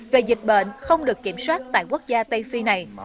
về dịch bệnh không được kiểm soát tại quốc gia tây phi này